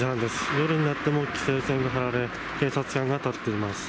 夜になっても規制線が張られ、警察官が立っています。